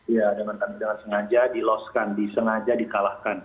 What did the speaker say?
ya dengan tanggung jawab dengan sengaja di loss kan dengan sengaja dikalahkan